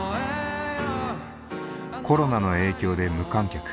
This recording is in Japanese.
コロナの影響で無観客。